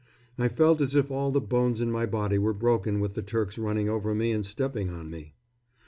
I felt as if all the bones in my body were broken with the Turks running over me and stepping on me.